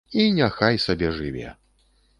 І няхай сабе жыве.